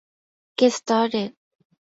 Get Started!